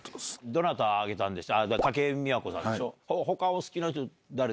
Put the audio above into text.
どなた挙げたんでした？